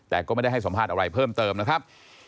แต่ก็ไม่ได้ให้สัมภาษณ์อะไรเพิ่มเติมนะครับ